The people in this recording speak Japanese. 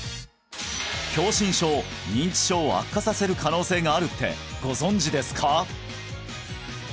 狭心症認知症を悪化させる可能性があるってご存じですか？